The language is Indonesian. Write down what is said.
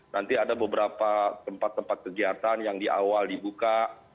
nanti ada beberapa tempat tempat kegiatan yang di awal dibuka